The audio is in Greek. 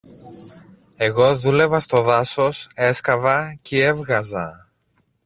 Εγώ δούλευα στο δάσος, έσκαβα κι έβγαζα.